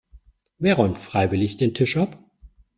Wer räumt freiwillig den Tisch ab?